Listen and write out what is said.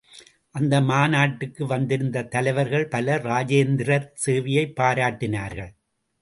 அந்த மாநாட்டுக்கு வந்திருந்த தலைவர்கள் பலர், இராஜேந்திரர் சேவையைப் பாராட்டினார்கள்.